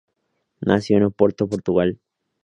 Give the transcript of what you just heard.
Nació en Oporto, Portugal.